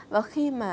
và khi mà